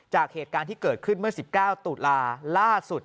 จากเหตุการณ์ที่เกิดขึ้นเมื่อ๑๙ตุลาล่าสุด